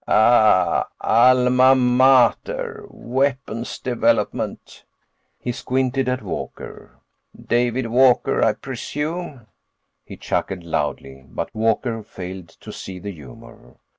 "Ah! Alma mater. Weapons Development." He squinted at Walker. "David Walker, I presume?" He chuckled loudly but Walker failed to see the humor.